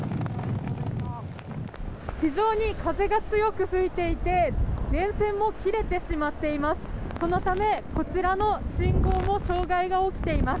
非常に風が強く吹いていて電線も切れてしまっています。